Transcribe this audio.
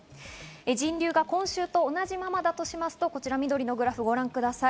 人流が今週と同じままだとしますと、こちら緑のグラフをご覧ください。